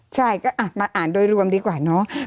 ใช่ก็มาอ่านโดยรวมดีกว่าเนาะ